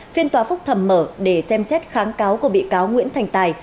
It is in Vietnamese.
phiên tòa phúc thẩm mở để xem xét kháng cáo của bị cáo nguyễn thành tài